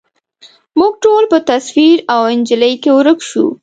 موږ ټول په تصویر او انجلۍ کي ورک شوو